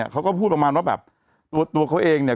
เขาก็พูดประมาณว่าแบบตัวเขาเองเนี่ย